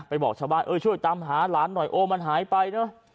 บอกชาวบ้านเออช่วยตามหาหลานหน่อยโอ้มันหายไปเนอะ